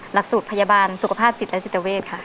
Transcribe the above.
หลักสูตรพยาบาลสุขภาพจิตและจิตเวทค่ะ